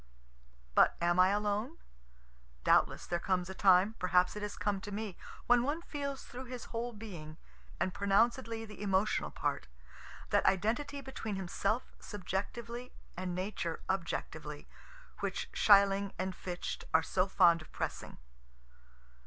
But am I alone? Doubtless there comes a time perhaps it has come to me when one feels through his whole being, and pronouncedly the emotional part, that identity between himself subjectively and Nature objectively which Schelling and Fichte are so fond of pressing.